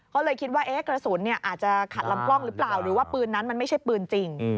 เขาเลยคิดว่ากระสุนอาจจะขัดลำกล้องหรือเปล่าหรือว่าปืนนั้นมันไม่ใช่ปืนจริง